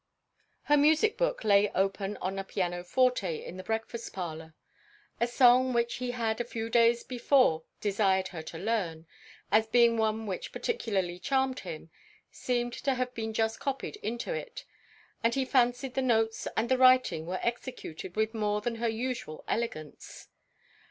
Her music book lay open on a piano forte in the breakfast parlour. A song which he had a few days before desired her to learn, as being one which particularly charmed him, seemed to have been just copied into it, and he fancied the notes and the writing were executed with more than her usual elegance.